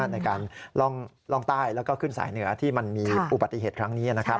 ในการล่องใต้แล้วก็ขึ้นสายเหนือที่มันมีอุบัติเหตุครั้งนี้นะครับ